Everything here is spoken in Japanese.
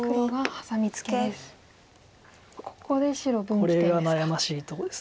これが悩ましいとこです。